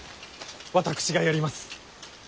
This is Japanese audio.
私がやります。